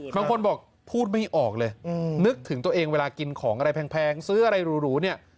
บางคนบอกพูดไม่ออกเลยนึกถึงตัวเองเวลากินของอะไรแพงซื้ออะไรหรูเนี่ย